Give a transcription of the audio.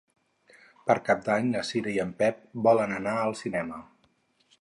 Per Cap d'Any na Cira i en Pep volen anar al cinema.